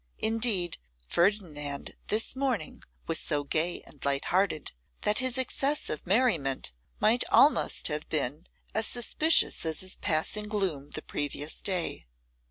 Indeed, Ferdinand this morning was so gay and light hearted, that his excessive merriment might almost have been as suspicious as his passing gloom the previous day.